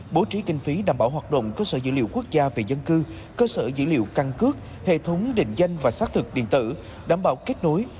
bố trí kinh phí đảm bảo hoạt động cơ sở dữ liệu quốc gia về dân cư cơ sở dữ liệu căn cước hệ thống định danh và xác thực điện tử đảm bảo kết nối